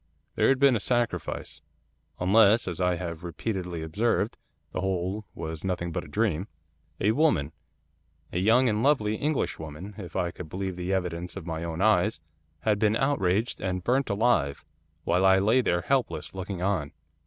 'There had been a sacrifice, unless, as I have repeatedly observed, the whole was nothing but a dream. A woman a young and lovely Englishwoman, if I could believe the evidence of my own eyes, had been outraged, and burnt alive, while I lay there helpless, looking on.